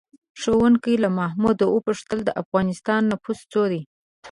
ښوونکي له محمود وپوښتل: د افغانستان نفوس څو دی؟